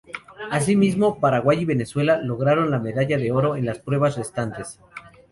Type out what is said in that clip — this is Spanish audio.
Asimismo, Paraguay y Venezuela lograron la medalla de oro en las pruebas restantes.